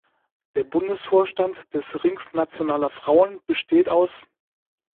Der Bundesvorstand des Rings Nationaler Frauen besteht aus